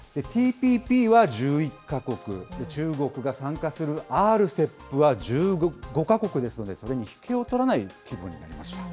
ＴＰＰは１１か国、中国が参加するＲＣＥＰは１５か国ですので、それに引けを取らない規模になりました。